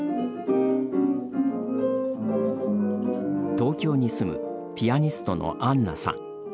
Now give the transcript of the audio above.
東京に住むピアニストのアンナさん。